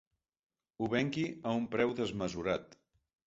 Ho vengui a un preu desmesurat.